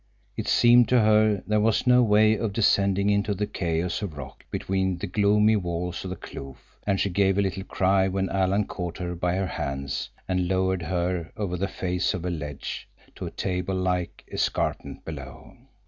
It seemed to her there was no way of descending into the chaos of rock between the gloomy walls of the kloof, and she gave a little cry when Alan caught her by her hands and lowered her over the face of a ledge to a table like escarpment below.